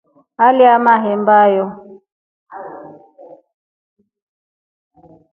Aleyaa mahemba hiyo.